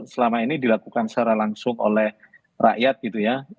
selama ini dilakukan secara langsung oleh rakyat gitu ya